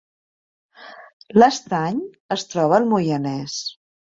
L’Estany es troba al Moianès